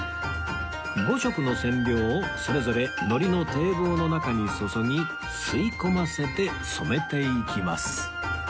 ５色の染料をそれぞれ糊の堤防の中に注ぎ吸い込ませて染めていきます